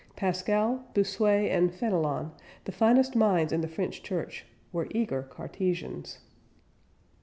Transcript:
Pascal, Bossuet and Fénelon, the finest minds in the French Church, were eager Cartesians.